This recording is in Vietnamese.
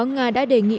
nga đã đề nghị